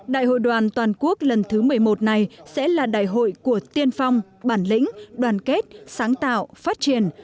đại hội đoàn toàn quốc lần thứ một mươi một này sẽ là đại hội của tiên phong bản lĩnh đoàn kết sáng tạo phát triển